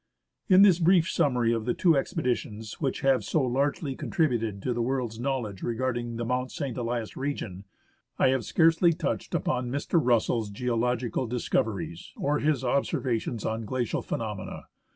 In this brief summary of the two expeditions which have so largely contributed to the world's knowledge regarding the Mount St. Elias region, I have scarcely touched upon Mr. Russell's geological discoveries, or his observations on glacial phenomena.